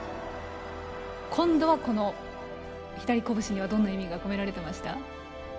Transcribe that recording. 今度は左拳には、どんな意味は込められていました？